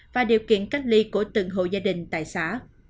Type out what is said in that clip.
và điều kiện cách ly của từng hộ gia đình tại xã